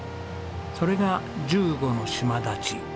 それが１５の島立ち。